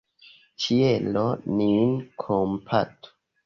Ĉielo nin kompatu!